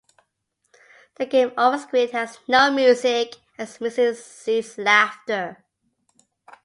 The game over screen has no music and is missing Zeed's laughter.